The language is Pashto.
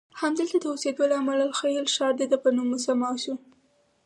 همدلته د اوسیدو له امله الخلیل ښار دده په نوم مسمی شو.